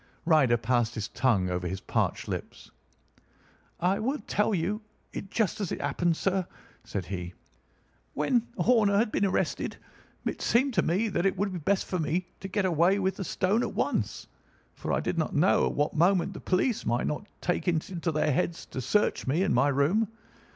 Ryder passed his tongue over his parched lips. "I will tell you it just as it happened, sir," said he. "When Horner had been arrested, it seemed to me that it would be best for me to get away with the stone at once, for I did not know at what moment the police might not take it into their heads to search me and my room.